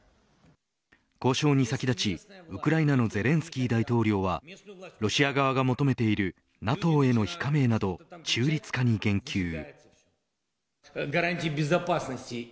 交渉に先立ちウクライナのゼレンスキー大統領はロシア側が求めているＮＡＴＯへの非加盟など中立化に言及。